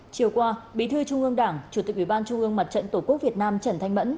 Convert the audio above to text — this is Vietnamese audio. chiều qua bí thư trung ương đảng chủ tịch ubnd tổ quốc việt nam trần thanh mẫn